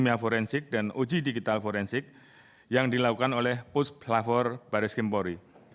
uji kimia forensik dan uji digital forensik yang dilakukan oleh pus labor baris krimpori